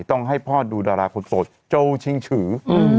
ต้องให้พ่อดูดาราคนโสดโจชิงฉือ